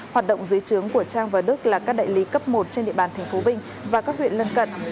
hoạt động dưới trướng của trang và đức là các đại lý cấp một trên địa bàn tp vinh và các huyện lân cận